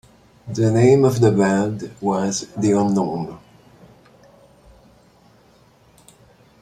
The name of the band was The Unknowns.